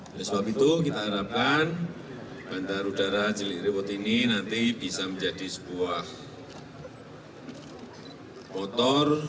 oleh sebab itu kita harapkan bandara udara cilikriwut ini nanti bisa menjadi sebuah motor